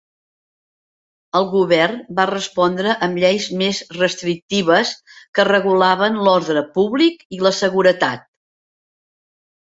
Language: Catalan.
El govern va respondre amb lleis més restrictives que regulaven l'ordre públic i la seguretat.